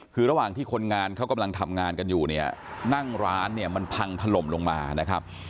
คือระหว่างที่คนงานเขากำลังทำงานกันอยู่เนี่ยนั่งร้านเนี่ยมันพังถล่มลงมานะครับ